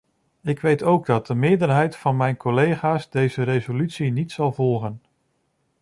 Ik weet ook dat de meerderheid van mijn collega's deze resolutie niet zal volgen.